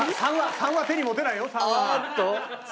３は手に持てないよ。